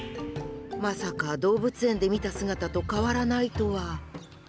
まさか動物園で見た姿と変わらないとは。